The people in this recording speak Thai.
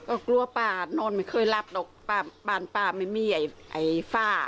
ก็กลัวป้านอนไม่เคยหลับหรอกป้าบ้านป้าไม่มีไอ้ไอ้ฝ้า